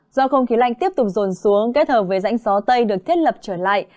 do không khí lạnh tiếp tục rồn xuống kết hợp với rãnh gió tây được thiết lập trở lại